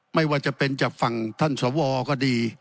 ไม่ว่าจะเป็นจากฝั่งท่านสวก็ดี